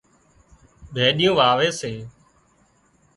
ڀيڏيون واوي سي